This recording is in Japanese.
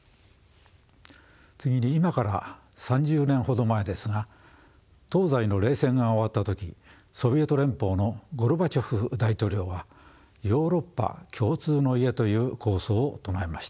次に今から３０年ほど前ですが東西の冷戦が終わった時ソビエト連邦のゴルバチョフ大統領は「ヨーロッパ共通の家」という構想を唱えました。